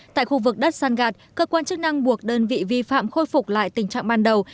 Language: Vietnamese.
tại khu vực đất san gạt cơ quan chức năng buộc đơn vị vi phạm khôi phục lại tình trạng ban đầu